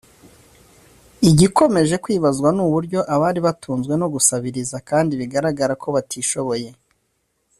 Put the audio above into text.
Igikomeje kwibazwa n’uburyo abari batunzwe no gusabiriza kandi bigaragara ko batishoboye